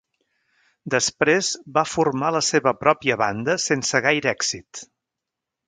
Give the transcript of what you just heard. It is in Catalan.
Després va formar la seva pròpia banda sense gaire èxit.